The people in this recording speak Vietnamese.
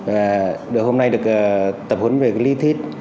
và được hôm nay được tập huấn về cái lý thuyết